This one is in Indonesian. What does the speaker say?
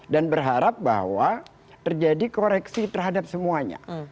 dan berharap bahwa terjadi koreksi terhadap semuanya